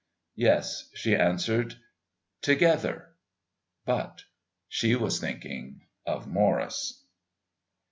"Yes," she answered, "together." But she was thinking of Morris.